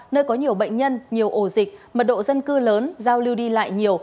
nơi có nhiều bệnh nhân nhiều ổ dịch mật độ dân cư lớn giao lưu đi lại nhiều